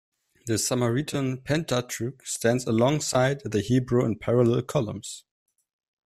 The Samaritan Pentateuch stands alongside the Hebrew in parallel columns.